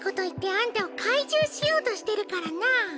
「あんたを懐柔しようとしてるからな」